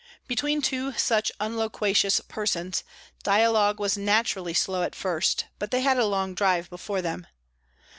Between two such unloquacious persons, dialogue was naturally slow at first, but they had a long drive before them.